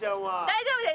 大丈夫です！